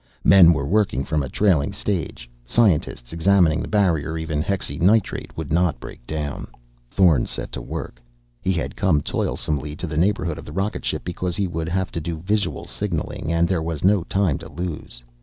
Men were working from a trailing stage scientists examining the barrier even hexynitrate would not break down. Thorn set to work. He had come toilsomely to the neighborhood of the rocket ship because he would have to do visual signaling, and there was no time to lose.